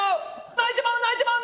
泣いてまう泣いてまう！